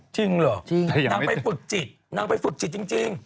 จริงเหรอนางไปฝึกจิตนางไปฝึกจิตจริง